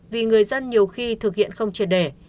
vì người dân nhiều khi thực hiện không triệt để